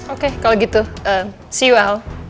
oke kalau gitu see you al